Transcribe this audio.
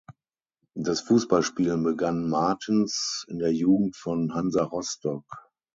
Das Fußballspielen begann Martens in der Jugend von Hansa Rostock.